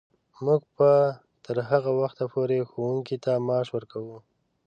موږ به تر هغه وخته پورې ښوونکو ته معاش ورکوو.